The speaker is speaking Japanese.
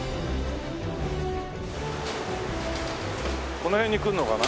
この辺に来るのかな？